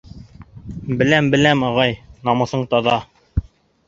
— Беләм, беләм, ағай, намыҫың таҙа.